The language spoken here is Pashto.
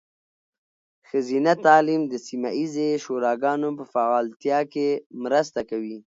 ښځینه تعلیم د سیمه ایزې شوراګانو په فعالتیا کې مرسته کوي.